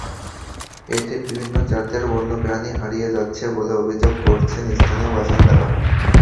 এতে বিভিন্ন জাতের বন্য প্রাণী হারিয়ে যাচ্ছে বলে অভিযোগ করছেন স্থানীয় বাসিন্দারা।